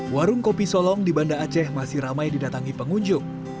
warung kopi solong di banda aceh masih ramai didatangi pengunjung